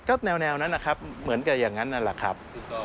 ก็แนวนั้นนะครับเหมือนกับอย่างนั้นนั่นแหละครับ